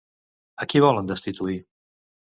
A qui volen destituir?